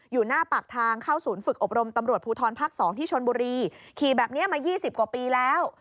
อยู่หน้าปากทางเข้าศูนย์ฝึกอบรมตำรวจภูทรภาค๒ที่ชนบุรีขี่แบบนี้มา๒๐กว่าปีแล้ว